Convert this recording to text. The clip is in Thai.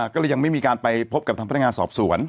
ก็เลยยังไม่มีการไปพบกับทางพนักงานสอบสวน